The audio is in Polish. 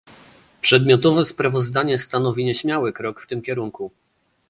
Przedmiotowe sprawozdanie stanowi nieśmiały krok w tym kierunku